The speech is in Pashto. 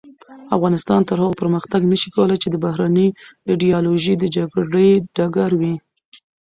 افغانستان تر هغو پرمختګ نشي کولای چې د بهرنیو ایډیالوژیو د جګړې ډګر وي.